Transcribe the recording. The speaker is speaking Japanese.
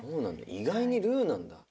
意外にルーなんだ」